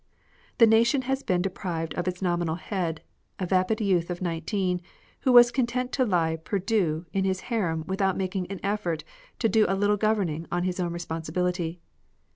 The nation has been de prived of its nominal head, a vapid youth of nineteen, who was content to lie ^et^dxi in his harem without making an effort to do a little governing on his own responsibility.